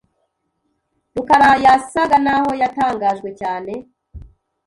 rukarayasaga naho yatangajwe cyane.